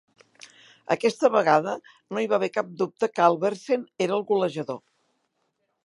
Aquesta vegada no hi va haver cap dubte que Albertsen era el golejador.